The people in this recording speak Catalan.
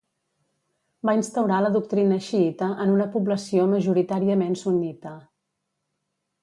Va instaurar la doctrina xiïta en una població majoritàriament sunnita.